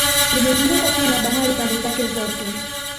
Limezungukwa pia na bahari pande zake zote